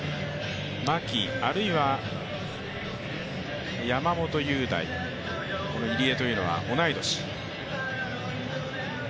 牧、あるいは山本祐大、この入江というのは同い年。